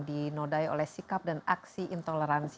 dinodai oleh sikap dan aksi intoleransi